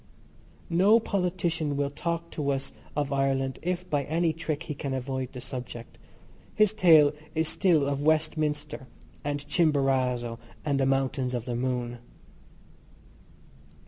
No politician will talk to us of Ireland if by any trick he can avoid the subject. His tale is still of Westminster and Chimborazo and the Mountains of the Moon.